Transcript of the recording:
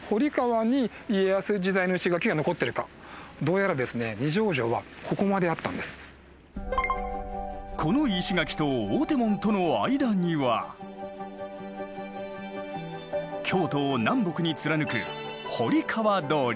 恐らくこの石垣と大手門との間には京都を南北に貫く堀川通。